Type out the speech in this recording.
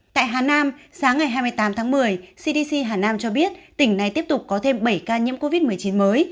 tại hà nam sáng ngày hai mươi tám tháng một mươi cdc hà nam cho biết tỉnh này tiếp tục có thêm bảy ca nhiễm covid một mươi chín mới